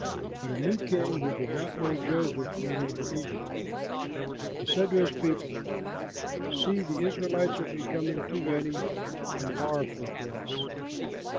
But a new king who did not know Joseph ruled over Egypt. He said to his people, "See, the Israelites are becoming too many and powerful for us.